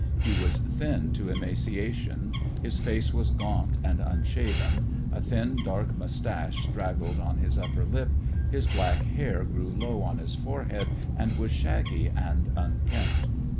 He was thin to emaciation, his face was gaunt and unshaven, a thin dark moustache straggled on his upper lip, his black hair grew low on his forehead and was shaggy and unkempt.